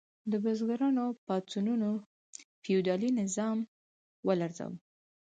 د بزګرانو پاڅونونو فیوډالي نظام ولړزاوه.